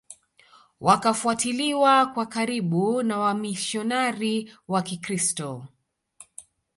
Wakafuatiliwa kwa karibu na wamishionari wa kikristo